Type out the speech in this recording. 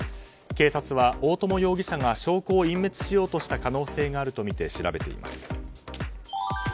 警察は大友容疑者が証拠を隠滅しようとした可能性があるとみて調べています。